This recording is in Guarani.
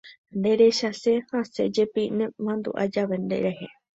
Nderechase, hasẽjepi imandu'a jave nderehe.